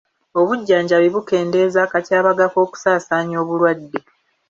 Obujjanjabi bukendeeza akatyabaga k'okusaasaanya obulwadde.